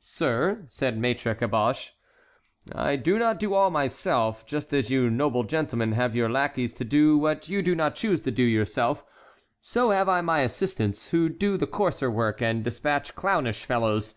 "Sir," said Maître Caboche, "I do not do all myself; just as you noble gentlemen have your lackeys to do what you do not choose to do yourself, so have I my assistants, who do the coarser work and despatch clownish fellows.